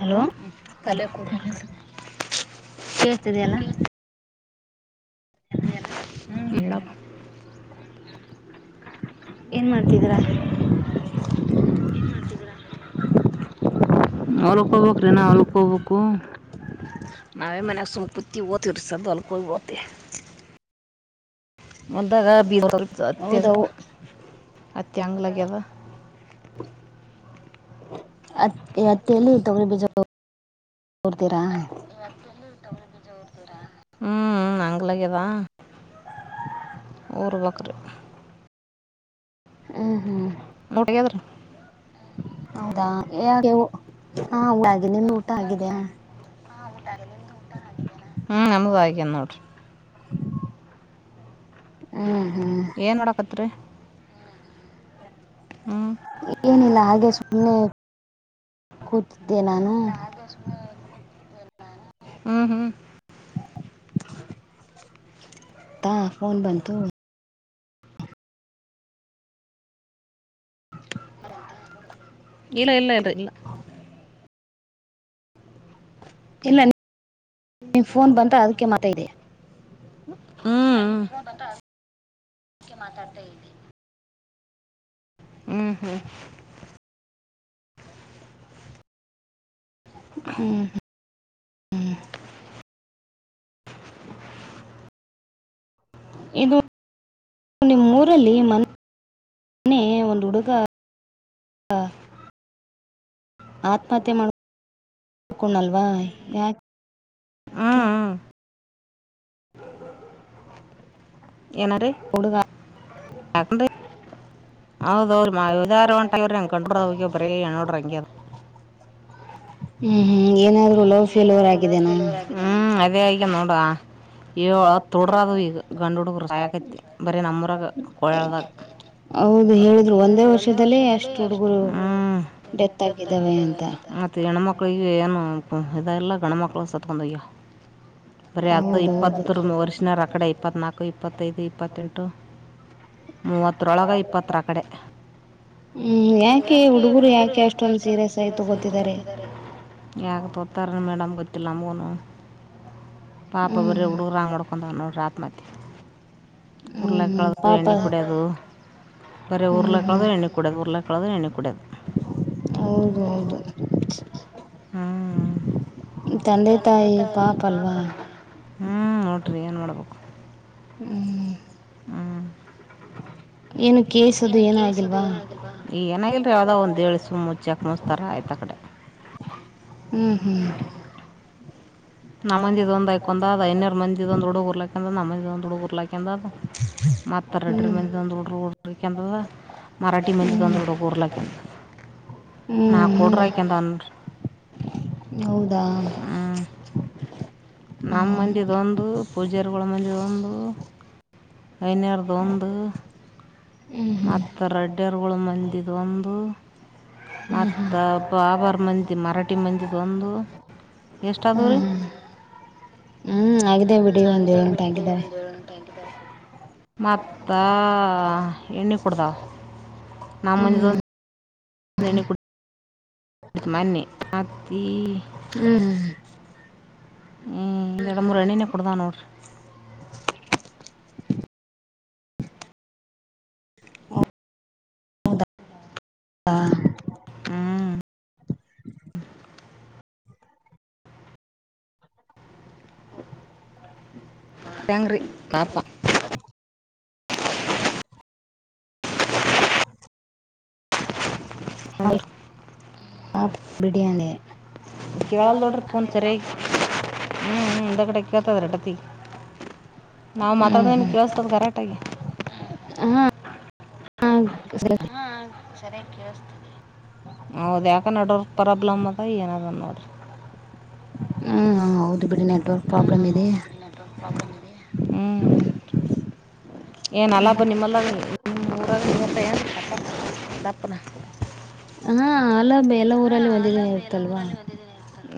Hello ತಲೆ ಕುಂದ [unintelligible] ಕೇಳ್ತಿದೆ ಅಲ್ಲಾ ಕೇಳ್ತಿದೆಯಲ್ಲ [unintelligible] ಏನ್ ಮಾಡ್ತಿದ್ದೀರಾ ಹೊಲಕ್ಕೆ ಹೋಗ್ಬೇಕ್ ರೀ ಇನ್ನ ಹೊಲಕ್ಕೆ ಹೋಗ್ಬಕು ನಾವೇ ಮನೆಗೆ ಸುಮ್ ಕುಂತೀವಿ ಹೋತೀವಿ [inaudible] ಹೊಲಕ್ಕೆ ಹೋಗಿ ಹೋಗ್ತಿವಿ [unintelligible] ಹೌದ [unintelligible] [inaudible] ಹತ್ತಿ ಹತ್ತಿ ಎಲ್ಲಿ ತೊಗರಿ ಬೀಜ [inaudible] ಉಡ್ತೀರಾ ತೊಗರಿ ಬೀಜ ಉಡ್ತೀರಾ ಹ್ಮ್ [unintelligible] ಹ್ಮ್ ಹ್ಮ್ [unintelligible] ಹೌದಾ [unintelligible] ಹಾ ನಿಮ್ದು ಊಟ ಅಗಿದಿಯಾ ಹ್ಮ್ ನಮ್ಮದು ಹಾಗಿದೆ ನೋಡ್ರಿ ಹ್ಮ್ ಹ್ಮ್ ಏನ್ ಮಾಡಕತ್ತಿರಿ ಏನ ಇಲ್ಲ ಹಾಗೆ ಸುಮನೆ ಕೂತಿದ್ದೆ ನಾನು ಹ್ಮ್ ಹ್ಮ್ ಹಾ ಫೋನ್ ಬಂತು [inaudible] ಇಲ್ಲ ಇಲ್ಲ ಇಲ್ಲ ಇಲ್ಲ.. ಇಲ್ಲ ನಿ ಫೋನ್ ಬಂತ ಅದಕ್ಕೆ ಮಾತ ಇದೆಯ.. ಹ ಬ ಮಾತಾಡ್ತಾ ಇದ್ದೀ.. ಹ್ಮ್ ಹ್ಮ್.. ಹ್ಮ್ ಹ್ಮ್ ಹ್ಮ್.. ಇದು ನಿಮ್ಮೂರಲ್ಲಿ ಮನೆ.. ಮನ್ನೇ ಒಂದು ಹುಡುಗ.. ಆತ್ಮಹತ್ಯೆ ಮಾಡಕಣಲ್ವಾ ಯಾಕ.. ಹ್ಞೂ [unintelligible] [inaudible] ಹುಡುಗ.. ಯಾಕೆಂದರೆ.. ಹೌದ ಅವ್ರ ಮಾದಾರ ಉಂಟವ್ರೊಂಡ್ರಬರನೋಡ ರಂಗಿ ಅದು. ಹ್ಮ್ ಹ್ಮ್ ಏನಾದರ.. ಹ್ಮ್ ಅದೇ ಈಗ ನೋಡುವ.. ಹತ್ತು ಹುಡುಗರು ಆದರೂ ಗಂಡು ಹುಡುಗರ ಸಾಯೊಕತ್ರೀ ಭರಿ ನಮ್ಮ ಹುರಗಾ ಕೊಳದಾಗ.. ಹೌದು ಹೇಳಿದ್ರು ಒಂದೇ ವರ್ಷದಲ್ಲಿ ಅಷ್ಟು ಹುಡುಗರು.. ಡೆತ್ ಆಗಿದ್ದಾವೆ ಅಂತ ಮತ್ತೆ ಹೆಣ ಮಕ್ಕಳು.. ಮಕ್ಕಳಿಗೆ ಏನು ಇದಲ್ಲ ಗಣ ಮಕ್ಕಳ ಸತ್ತುಕೊಂಡು ಹೊಗೆಯವ.. ಬರೀ ಅದು ಹೌದೌದು ಇಪ್ಪತ್ತುರು ವರ್ಷನರು ಅ ಕಡೆ ಇಪ್ಪತ್ನಾಲ್ಕು ಇಪ್ಪತ್ತೈದು ಇಪ್ಪತ್ತೆಂಟು.. ಮೂವತ್ತರೊಳಗೆ ಇಪ್ಪತ್ತರ ಆ ಕಡೆ.. ಹ್ಮ ಯಾಕೆ ಹುಡುಗರು ಯಾಕೆ ಅಷ್ಟೊಂದ ಸೀರಿಯಸ್ ಆಯ್ತು ಗೊತ್ತಿದ್ದಾರೆ ಯಾಕ ತೊಗೊತಾ ರೊ. ಅ ಮೇಡಮ್ ಗೊತ್ತಿಲ್ಲ ನಮಗನು ಪಾಪ ಹ್ಮ್ ಬರ ಹುಡುಗರುಾ್ ಮಾಡಡ್ಕೊಂಡ ನೋಡಿ ರಾತ್ರಿ.. ಮತ್ತೆ.. ಹ್ಮ್ ಹ್ಮ್ ಉರ್ಲೆಕ್ಕಳ್ದ ಪಾಪ ಎಣ್ಣೆ ಕುಡಿಯೋದು ಬರೇ ಹ್ಮ್ ಹ್ಮ್ ಉರ್ಲೆಕ್ಕಳ್ದ ಎಣ್ಣೆ ಕುಡ್ಯದು ಉರ್ಲೆಕ್ಕ.. ಊರುಳು ಹಾಕ್ಕೋಳ್ಳೋದು ಭರಿ ಎನ್ನಿ ಕುಡಿಯೋದು.. ಹೌದು ಹೌದು ತಂದೆ ತಾಯಿ ಪಾಪ ಅಲ್ವಾ ಹ್ಮ್ ನೋಡ್ರಿ ಏನ್ ಮಾಡ್ಬೇಕು.. ಹ್ಮ್.. ಹ್ಮ. ಏನು ಕೇಸ್ ಅದು ಏನು ಏನ ಕೇಸ್ ಏನು ಹಾಗಿಲ್ವ ಆಗಿಲ್ವಾ ಏನು ಹಾಗಿಲ್ವ ಏನು ಇಲ್ಲ ರಿ ಎನೋ ಯಾವುದು ಒಂದು ಹೇಳಿ ಮುಚ್ಚಿ ಹಾಕುತ್ತಾರೆ ಆಯಿತು ಆ ಕಡೆ.. [inaudible] ಹ್ಮ್ ಹ್ಮ್.. ನಮ್ಮ ಮಂದಿ ಒಂದ ಆಯ್ಕಂದದ ಇನ್ನೂರ್ ಮಜಿದ ಒಂದು ಹುಡುಗ ಉಲ್ಲಕ್ಕಂತು ಊರಲು ಅಕೌಂಟ್.. ರ್ಲಾಕಂದ ನಮ್ಮ ಒಂದ್ಡುರ್ಲಾಕಂದ ಮತ್ತ ರೆಡ್ಡಿ ಹ್ಮ್ ಹ್ಮ್ ಮಂದಿ ಹುಡುಗ ಒಂದು.. ಊರಲು ಅಕೊಂಡದ ಮರಾಠಿ ಮಂದಿ ಹ್ಮ್ ಒಂದು ಊರಲು ಹಾಕೊಂಡಾದಾದಾ. ನ ಹ್ಮ್ ಕೋಡ ಹ್ಮ್ ರಾಯಕಧನ್.. [unintelligible] ಹೌದಾ. ಹ್ಮ್ ನಮ್ಮ ಮಂದದೊಂದು ಪೂಜಾರಿಗಳ ಮಂದದೊಂದು.. ಐನರ್ ಒಂದು. ಹ್ಮ್ ಮ ಹ್ಮ್ ರಡ್ಡರುಗಳು ಮಂದಿದೊಂದು.. ಹ್ಮ್ ಹ್ಮ್ ಮತ್ತು ಬಾಬರ್ ಮಂದಿ ಮರಾಠಿ ಮಂದಿ ತ ಒಂದು ಎಷ್ಟ ಅದವ ರೀ.. ಹ್ಮ ಆಗಿದೆ ಬಿಡಿ ಒಂದ ಏಳು ಗಂಟೆ ಆಗಿದ್ದಾವೆ.. [unintelligible] ಮತ್ತಾ ಎಣ್ಣೆ ಕುಡತಾವೆ.. [unintelligible] ನಾಮ್ಮನಿದ.. ಹ್ಮ್ [unintelligible] ನನ ಕೊಡ.. [unintelligible] ಎಡ್ತು ಮನ್ನೆ ಅತ್ತೀ.. [unintelligible] ಹ್ಮ್ ಹ್ಮ್ ಎಡ ಮುರಾಣನ ಪ್ರದಾನರು.. ಹ. ಹಾ. ಹ್ಮ ಟ್ಯಾಂಗ್ರಿ ದಪ ಹ ನೋಡ್ರಿ ಹ ಬಿಡಯಾನಿ ಕೇೇಳಲ್ ದೊೋಡ್್ರಫೋನ್ ಸಾರೆ ಹ್ಮ ಎಂದ ಕಡೆಕ್ಕಾತ ಹೊರಟತಿ ನಾವು ಮಾತಾಡ ಹ್ಮ್ ನಿಮಗೆ ಹ್ಮ್ ಕೇಳಿಸತದು ಗರಾಟಾಗಿ ಹಾ ಸರಿ ಸರಿಯ ಕೇೇಳಸ್ತದೆ ಹೌದು ಯಾಕೆ ನಡವರ್ಕ್ ಪ್ರಾಬ್ಲಮ್ ಅದ ಏನದ ನೋಡ್ರರಿ.. ಹ್ಮ್ ಹೌದು ಬಿಡಿ ನೆಟ್ವರ್ಕ್ ಪ್ರಾಬ್ಲಮ್ ಇದೆ.. ಹ್ಮ್ ಏನ ಅಲ್ಲ ಬ ನಿಮ್ಮಲ್ಲತ್ತಪ್ಪ ದಪ್ಪನ ಹಾ ಅಲ್ಲ ಬ ಎಲ್ಲ ಊರಲ್ಲಿ ಒಂದೇ ದಿನ ಊ ಇರುತ್ತಲ್ವಾ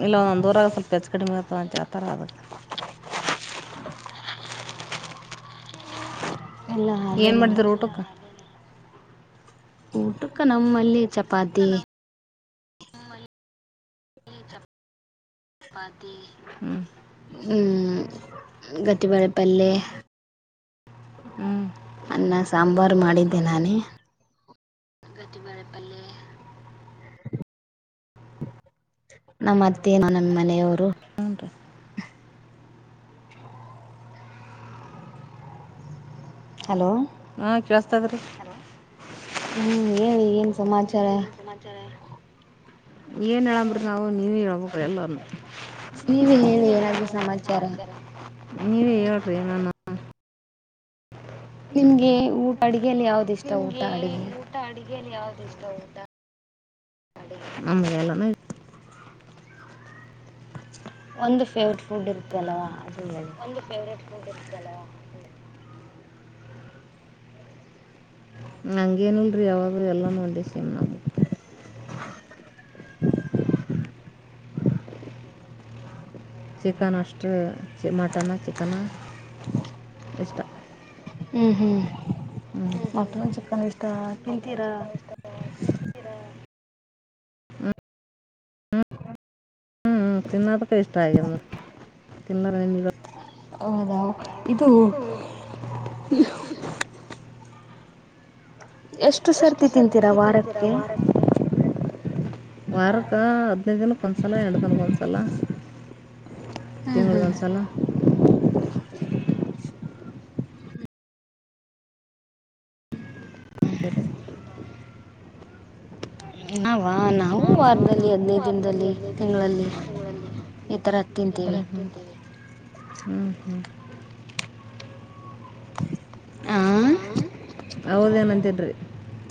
ಇಲ್ಲ ಒಂದ್ಊರಾಗ ಸ್ವಲ್ಪ ಹೆ ಕಡಿಮೆ ತರಾವದ ಇಲ್ಲಾ ಏನು ಹಾಗೇನಲ್ಲ ಮಾಡಿದ್ರು ಊಟಕ್ಕೆ ಊಟಕ್ಕ ನಮ್ಮಲ್ಲಿ ಚಪಾತಿ ಪಾತಿ್ಮ ಹ್ಮ್ ಗತಿಬಳೆಪಲ್ಲೆ ಹ್ಞೂ ಅನ್ನ ಸಾಂಬಾರು ಮಾಡಿದ್ದೆ ನಾನೇ ಗತಿ ಬಾರೆ ಪಾಲೆ ನಮ್ಮತ್ತೆನು ನಮ್ಮ ಮನೆಯವರು ಹ್ಞೂ ರೀ ಹಲೋ ಹ್ಮ ಕೇಳಸ್ತದ್ರೀ ಹ್ಮ್ ಹೇಳಿ ಏನ್ ಸಮಾಚಾರ ಸಮಾಚಾರ ಏನ್ ಹೇಳಂಬ್ರಿ ನಾವು ನೀವ ಹೇಳೇಳ್ಬೇಕ್ರಿ ಎಲ್ಲನು ನೀವೇ ಹೇಳಿ ಏನಾದ್ರು ಸಮಾಚಾರ ನೀವೇ ಹೇಳ್ರಿ ನಾನು ನಿಮ್ಗೆ ಊ ಅಡಗೆಯಲ್ಲಿ ಯಾವ್ದು ಇಷ್ಟ ಊಟ ಅಡಗೆ ಊಟ ಅಡುಿಗೆಯಲ್ಲಿ ಯಾವ್ದು ಇರ್ತ ಉಊಟಾ ನಮ್ಮಲೆ ಎಲ್ಲನ ಒಂದು ಫೇವ್ರಟ್ ಫುಡ್ ಇಕ್ಲ್ವಾ ಒಂದು ಫೇವ್ರೇಟ್ಲ್ಲ ನಂಗೇನಲ್ ರರಿ ಯಾವಾಗೂ ಎಲ್ಲ ನೋಡಿ ಸಮ್ ನಾವುು ಚಕ್ಕ ನಷ್ಟಷ್ಟ ಚ ಮಟನ್ನ ಚಿಕನ್ನ ಎಷ್ಟ ಹ್ಮ್ ಹ್ಮ್ ಮತ್ತ ಚಕ್ಕನ್ ಇಷ್ಟಷ್ಟ ತಿಂತೀರ ಹ್ಮಞ ತಿನ್ನೋದಕ್ಕೆ ಇಷ್ಟ ಆಗಿದೆ ತಿನ್ನಾರೆ ನಿ ಹೌದಾ ಇದು ಎಷ್ಟು ಎಷ್ಟು ಸರ್ತಿ ತಿಂತೀರಾ ವಾರಕ್ಕೆ ವಾರಕ್ಕೆ ಹದಿನೈದು ದಿನಕ್ಕೆ ಒಂದ್ಸಲ ಎರಡು ದಿನಕ್ಕೊಂದ್ಸಲ ಹ್ಮ್ ತಿಂಗ ಹ ಹ್ಮ್ ಬಸಲ್ಲ ನಾವ ನಾವು ವಾರದಲ್ಲಿ ಹದ್ನೈದು ದಿನದಲ್ಲಿ ತಿಂಗಳಲ್ಲಿ ಈ ತರ ತಿಂತೀವಿ ಹ್ಞೂ ಹ್ಞೂ ಆ ಹೌದೇನು ಅಂದಿಲ್ಲ ರೀ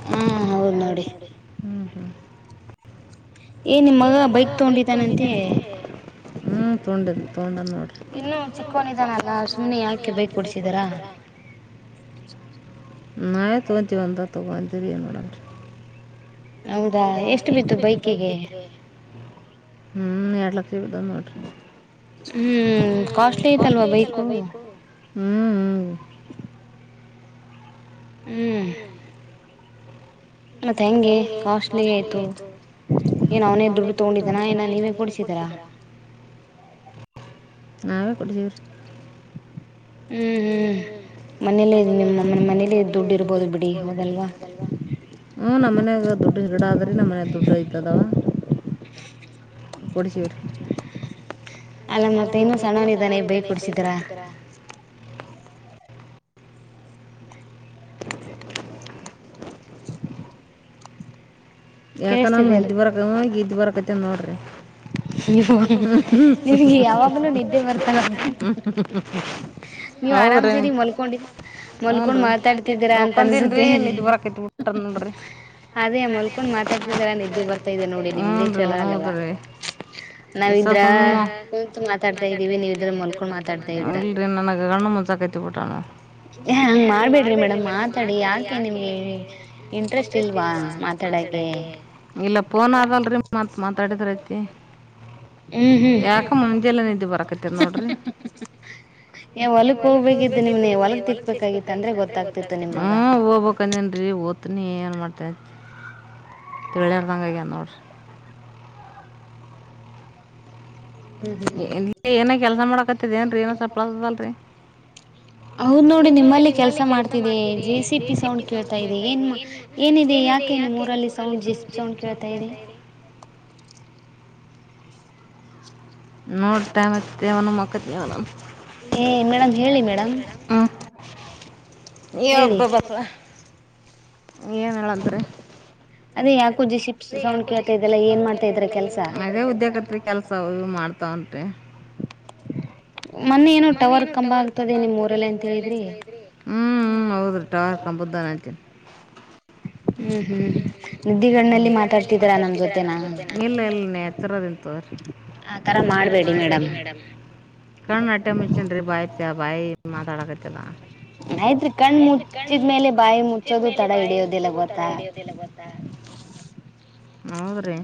ಹ್ಮ ಹೌದು ನೋಡಿ ಹ್ಞೂ ಹ್ಞೂ ಏ ನಿಮ್ಮಗ ಮ ಬೈಕ್ ತೊಂಡಿದ್ದಾನ ಹ್ಮ ತೊಂಡಿದ ತೊಂಡ ನೋಡ್ರಿ ಹಾ ಸುಮ್ನೆ ಯಾಕೆ ಬೈಕ್ ಕೊಡ್ಸಿದ್ದೀರಾ [unintelligible] ನ ತುಚಿ ಬಂತ ತಗಂತರಿಏ ಮಾಡೋಡ ಹೌದಾ ಎಷ್ಟು ಬಿದ್ದು ಬೈಕಿಗೆ ಹ್ಮ್ ಎಡ್ಲಕ್ಕ [unintelligible] ಹ್ಮ ಕಾಸ್ಟ್ಲಿ ಐತಲ್ವಾ ಬೇಕು ಹ್ಮ್ ಹ್ಮ್ ಮತ್ತೆ ಹೆಂಗೆ ಕಾಸ್ಟ್ಲಿ ಆಯ್ತು ಏನ್ ಏನ ಅವನೇ ದುಡ್ಡು ದುಡ್ಡಿ ತಗೊಂಡಿದ್ದಾನ ತಗೊಂಡಿದ್ದರ ಏನ ನೀವೇ ಕೊಡ್ಸಿದೀರಾ ಕೊಡಿಸಿದರ [unintelligible] [inaudible] ಹ್ಮ್ ಹ್ಮ್ ಮನೇಲಿ ನಿಮ್ಮ ಮನೇಲಿ ದುಡ್ಡು ಇರ್ಬೋದು ಬಿಡಿ ಹೌದಲ್ವಾ ಹ್ಞೂ ನಮ್ಮ ಮನ್ಯಾಗ ದುಡ್ಡು ಗಿಗಡ ಆದ್ರೀ ನಮ್ಮ ಮನೆಯಾಗ ದುಡ್ಡು ಐ್ತದವ ಕುುಡಚರ್ ಅಲ್ಲ ಮತ್ತ ಇನು ಸಣನಿದ್ದಾನೆ ಬೈ ಕೊಡ್ಸಿದ್ರ [inaudible] ಯಾಕ ನಂಗ ಕೇಳಿಸ್ತಿದಲ್ಲ ಇದ್ ಬರಕ ಇದ್ ಬರಕೈತೆನ್ ನೋಡ್ರಿ [unintelligible] [inaudible] ನೀವು ನಿಮ್ಗೆ ಯಾವಾಗ್ಲೂ ನಿದ್ದೆ ಬರ್ತಲ್ಲ ನೀವ್ ಆರಾಮ್ ಹೌದ್ರಿ ಸೇರಿ ಮಲ್ಕೊಂಡಿದ ಹಊನ್ ಮಲ್ಕೊಂಡ್ ರೀ ಮಾತಾಡ್ತಿದ್ದೀರಾ ಅಂತ ಮಕಂತನ್ರಿ ಅನ್ಸುತ್ತೆ ನಿಜ್ ಬರಕತ್ ಬಿ ಮಡ್ರೀ [unintelligible] ಅದೇ ಮಲ್ಕೊಂಡ್ ಮಾತಾಡ್ತಿದಾರಾ ನಿದ್ದೆ ಬರ್ತಾ ಇದೆ ನೋಡಿ ನಿಮ್ದೇ ಚಲ ಅಲ್ವಾ ಹ [inaudible] ಈಸ ನಾವಿದ್ರ ಸುನೆ ಕುಂತು ಮಾತಾಡ್ತಾ ಇದೀವಿ ನೀವ ಇದ್ರ ಮಲ್ಕೊಂಡ್ ಮಾತಾಡ್ತಾ ಇದೀರಾ ನನ ಗಣ್ಣ ಮುಂಕೈತಿಟ್ಟ [unintelligible] ಹಂಗ್ ಮಾಡ್ಬಿಡ್ರಿ ಮೇಡಮ್ ಮಾತಾಡಿ ಯಾಕೆ ನಿಮ್ಗೆ ಇಂಟ್ರೆಸ್ಟ್ ಇಲ್ವಾ ಡಗೆ [unintelligible] ಇಲ್ಲ ಪೋನ್ ಆದಲ್ರಿ ಮತ್ ಮಾತಾಡಿದ್ರಐತಿ ಹ್ಮ್ ಹ್ಮ್ ಯಾಕ ಮುಂಜೆಲ್ಲ ನಿದ್ದು ಬರಕತ್ತ ನೋಡ್ರಿ ಏ ನ ಹೊಲಕ್ ಹೋಗ್ಬೇಕಿತ್ತು ಹೋಗ್ಬೇಕಿದ್ದ ನಿಮ್ನೆ ನಿಮ್ನ ಹೊಲಕ್ ತಿಕ್ಬೇಕಾಗಿತ್ತ ಸಿಗ್ಬೇಕಾಗಿದ್ದ ಅಂದ್ರೆ ಗೊತ್ತಾಗ್ತಿತ್ತು ಗೊತ್ತಾಗತ ನಿಮ್ ಹ ಮಗ ಹೋಗ್ಬೇಕೇನ ಒತಿನಿ ಏನು ಮಾಡ್ತೆ [unintelligible] ತಿಳಿಯಾರ್ದಂಗಗ ನೋಡ್ರಿ ಹ್ಮ್ ಹ್ಮ್ ಇ ಏನ ಕೆಲ್ಸ ಮಾಡಕತ್ತಿದ ಏನ್ರರಿ ಏನ ಸಪ್ಲದಲ್ರರಿ ಹೌದ್ ನೋಡಿ ನಿಮ್ಮಲ್ಲಿ ಕೆಲಸ ಮಾಡ್ತಿದೆ ಜೆ ಸಿ ಪಿ ಸೌಂಡ್ ಕೇಳ್ತಾ ಇದೆ ಏನ್ ಏನಿದೆ ಯಾಕೆ ನಿಮ್ ಯಾಕೆ ಊರಲ್ಲಿ ನಿಮ್ಮಊರಲ್ಲಿ ಸೌಂಡ್ ಜೆ ಸಿ ಪಿ ಮುಂಜೆಜ ಸೌಂಡ್ ಉಂ ಇದೆ ಕೇಳ್ತಾ ಇರಿ ನೋಡ್ತ ಮತ್ತೇವನ ಮಕ್ಕತ್ವ ಏ ಮೇಡಮ್ ಹೇಳಿ ಮೇಡಮ್ ಹ್ಮ [unintelligible] ನೀ ಹೇಳಿ ಯಬಬಾ [unintelligible] ಏನ್ ಹೇಳದ್ರಿ ಅದೇ ಯಾಕೋ ಜಿಶಿಪ್ಸ್ ಸೌಂಡ್ ಕೇಳ್ತಾ ಇದೆಲ್ಲ ಏನ್ ಮಾಡ್ತಾ ಇದ್ರ ಕೆಲ್ಸ ದೇ ಉದ್ಯೋಗತ್ ಕೆಲಸ ಮಾಡ [unintelligible] [unintelligible] ಮೊನ್ನೆ ಏನೋ ಟವರ್ ಕಂಬ ಆಗ್ತದೆ ನಿಮ್ ಊರಲ್ಲ ಅಂತ ಹೇಳಿದ್ರಿ ಹ್ಮ್ ಹೌದು ಟವರ್ ಕಂಬದ್ದು ಹ್ಮ ಹ್ಮ್ ಹ್ಮ್ ನಿದ್ದಿಗಣ್ಣಲ್ಲಿ ಹ್ಮುದಲ್ಲಿ [unintelligible] ಮಾತಾಡ್ತಿದೀರಾ ನಮ್ ಮಾತಾಡ್ತಿದರಾ ನ ಜೊತೆನಾ ಜೊತೆ ಇಲ್ಲ ಇಲ್ಲತ್ತರದಂತ ಹಾ [inaudible] ಆತರ ಮಾಡಬೇಡಿ ಮೇಡಂ ಕಾರಣಣ ಟೈಮ ಮಿಚನ್ ರ ಬಾಯ ಬಾಯ ಮಾತಡಕ ಚಲ್ಲ ಆಯ್ತ್ರಿ ಕಣ್ ಮುಚ್ಚಿದ್ಮೇಲೆ ಬಾಯಿ ಮು ಇದ್ಮೇಲೆ ಬಾಯಿ ಮುಜೋಗೂ ತಡ ಹಿಡಿಯೋದಿಲ್ ಹದ್ರಿ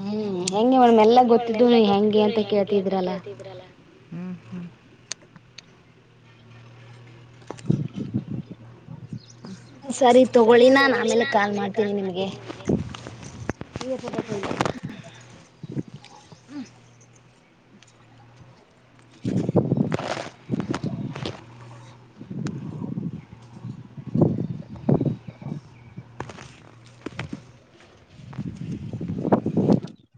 ಹ್ಮ್ ಹೆಂಗೆ ಮೇಡಮ್ ಎಲ್ಲ ಗೊತ್ತಿದ್ದು ನೀ ಹೆಂಗೆ ಅಂತ ಕೇಳ್ತಿದಿರಲ್ಲ ಹ್ಮ್ ಹ್ಮ್ ಸರಿ ತಗೊಳ್ಳಿ ನಾನ್ ಆಮೇಲೆ ಕಾಲ್ ಮಾಡ್ತೀನಿ ಮನಗೆ ಹಾ [unintelligible] [inaudible] ಹಾ [inaudible] [inaudible]